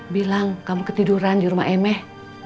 bilang kamu ketiduran di rumah emeh